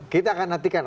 kita akan nantikan